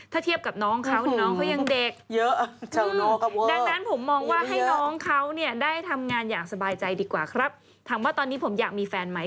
ถ้าเทียบกับน้องเนอะเขาน้องก็ยังเด็ก